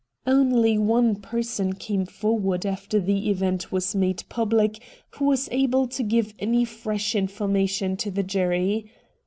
Only one person came forward after the event was made piibhc who was able to give any fresh information to the jury.